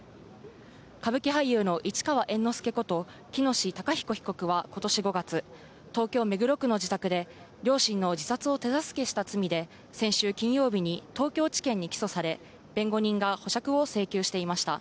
歌舞伎俳優の市川猿之助こと、喜熨斗孝彦被告はことし５月、東京・目黒区の自宅で、両親の自殺を手助けした罪で、先週金曜日に、東京地検に起訴され、弁護人が保釈を請求していました。